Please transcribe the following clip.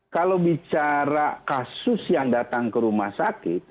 kalau bicara kasus yang datang ke rumah sakit